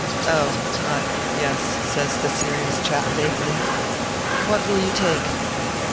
" Oh ah yes," says the serious chap, vaguely, " what will you take